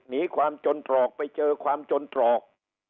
หนีความจนตรอกไปเจอความจนตรอก